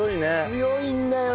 強いんだよな。